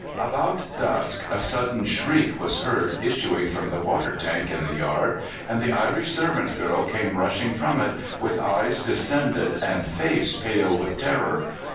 About dusk a sudden shriek was heard issuing from the water tank in the yard, and the Irish servant girl came rushing from it, with eyes dis tended and face pale with terror.